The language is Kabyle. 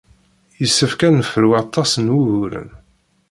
Yessefk ad nefru aṭas n wuguren.